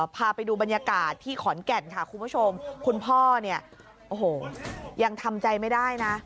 พาไปดูบรรยากาศที่ขอนแก่นค่ะคุณผู้ชมคุณพ่อเนี่ยโอ้โหยังทำใจไม่ได้นะ